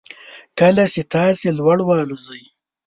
کله چې تاسو لوړ والوځئ